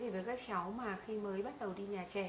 với các cháu mà khi mới bắt đầu đi nhà trẻ